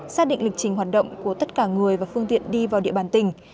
xác định lịch trình hoạt động của tất cả người và phương tiện đi vào địa bàn tỉnh